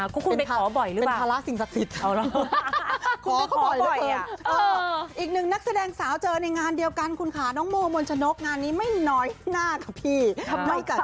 คุณไปขอบ่อยหรือเปล่า